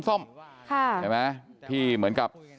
ส้มใช่ไหมที่เหมือนกับ